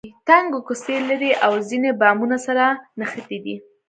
تنګې کوڅې لري او ځینې بامونه سره نښتي دي.